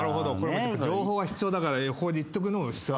情報は必要だからここで言っとくのも必要だね。